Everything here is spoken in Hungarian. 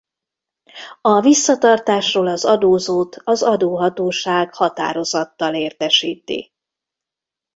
A visszatartásról az adózót az adóhatóság határozattal értesíti.